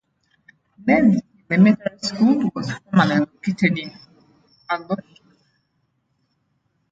Neely Elementary School was formerly located in Alorton.